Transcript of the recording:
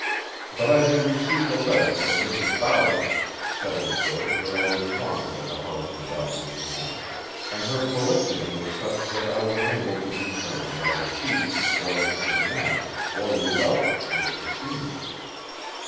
But I had received a letter from Mrs. Bowser, setting forth that I was wanted at the house of Doddridge Knapp, and her prolixity was such that I was unable to determine whether she, or Mrs. Knapp, or Luella, wished to see me.